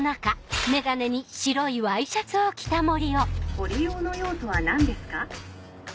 ご利用の用途は何ですか？